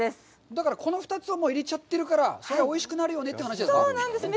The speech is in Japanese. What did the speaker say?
だから、この２つを入れちゃってるから、それはおいしくなるよねという話ですか。